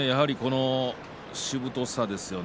しぶとさですね。